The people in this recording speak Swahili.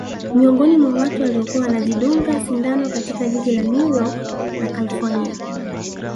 Miongoni mwa watu waliokuwa wanajidunga sindano katika jiji la New York na kalifornia